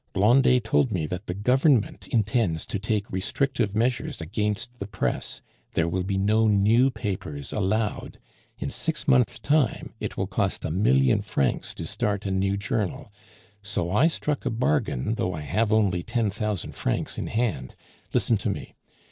Blondet told me that the Government intends to take restrictive measures against the press; there will be no new papers allowed; in six months' time it will cost a million francs to start a new journal, so I struck a bargain though I have only ten thousand francs in hand. Listen to me.